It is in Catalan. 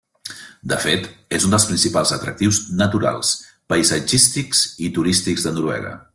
De fet, és un dels principals atractius naturals, paisatgístics i turístics de Noruega.